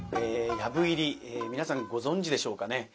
藪入り皆さんご存じでしょうかね。